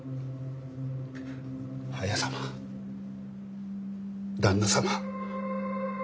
綾様旦那様。